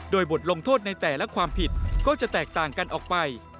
โดยบทลงโทษในแต่ละความผิดก็จะแตกต่างกันออกไป